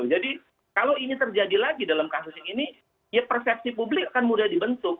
jadi kalau ini terjadi lagi dalam kasus ini ya persepsi publik akan mudah dibentuk